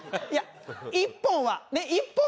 いや１本はねっ？